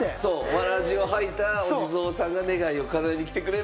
わらじを履いたお地蔵さんが願いを叶えに来てくれる。